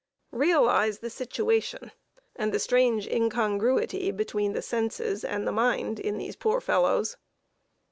Realize the situation, and the strange incongruity between the senses and the mind in these poor fellows!